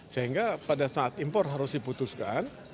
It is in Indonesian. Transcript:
sehingga pada saat impor harus diputuskan